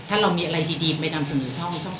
ถ้าเรามีอะไรดีไปนำเสนอช่อง